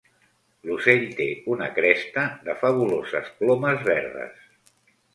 L'ocell té una cresta de fabuloses plomes verdes.